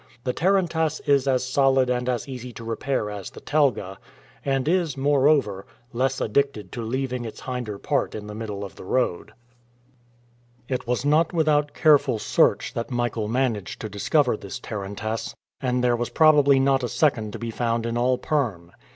The tarantass is as solid and as easy to repair as the telga, and is, moreover, less addicted to leaving its hinder part in the middle of the road. It was not without careful search that Michael managed to discover this tarantass, and there was probably not a second to be found in all Perm.